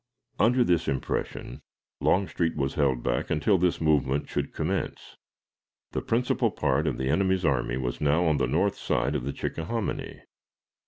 Under this impression, Longstreet was held back until this movement should commence. The principal part of the enemy's army was now on the north side of the Chickahominy.